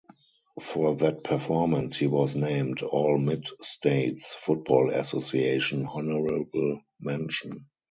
For that performance, he was named All-Mid-States Football Association honorable mention.